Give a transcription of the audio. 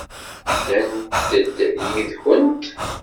Ddant-d yid-kent?